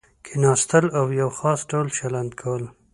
کېناستل او یو خاص ډول چلند کول.